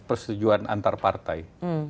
persetujuan antar partai